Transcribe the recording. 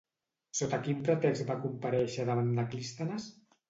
Sota quin pretext va comparèixer davant de Clístenes?